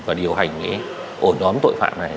và điều hành cái ổ nhóm tội phạm này